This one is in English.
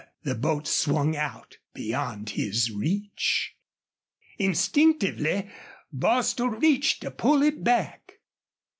The boat swung out beyond his reach. Instinctively Bostil reached to pull it back.